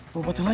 bukan itu aja